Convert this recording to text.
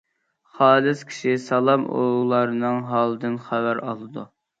خالىس كىشى سالام ئۇلارنىڭ ھالىدىن خەۋەر ئالىدۇ.